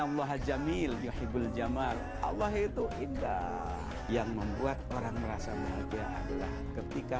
allah jamil yohibul jamal allah itu indah yang membuat orang merasa bahagia adalah ketika